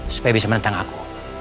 supaya bisa menentang aku